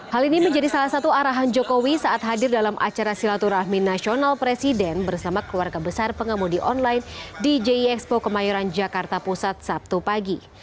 hal ini menjadi salah satu arahan jokowi saat hadir dalam acara silaturahmi nasional presiden bersama keluarga besar pengemudi online di jie expo kemayoran jakarta pusat sabtu pagi